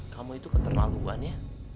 kamu itu keterlaluannya